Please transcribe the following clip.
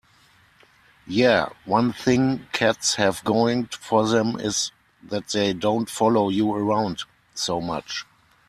Yeah, one thing cats have going for them is that they don't follow you around so much.